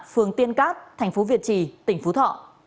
phường tiên cát thành phố việt trì tỉnh phú thọ